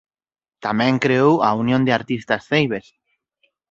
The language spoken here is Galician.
Tamén creou a Unión de Artistas Ceibes.